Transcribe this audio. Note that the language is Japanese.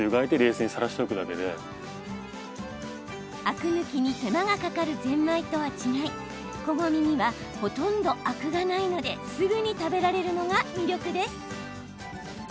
アク抜きに手間がかかるぜんまいとは違いこごみにはほとんどアクがないのですぐに食べられるのが魅力です。